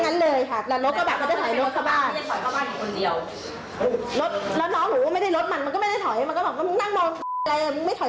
นั่งหมายถึงจอดรถสหวิบชนและของคนก็มาจอด